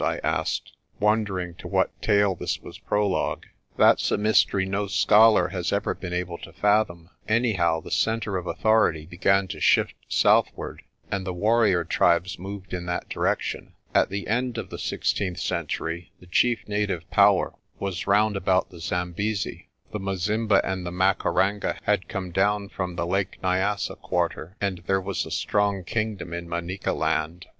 I asked, wondering to what tale this was prologue. "That's a mystery no scholar has ever been able to fathom. Anyhow, the centre of authority began to shift southward, and the warrior tribes moved in that direction. At the end of the sixteenth century the chief native power was round about the Zambesi. The Mazimba and the Makaranga had come down from the Lake Nyassa quarter, and there was a strong kingdom in Manicaland.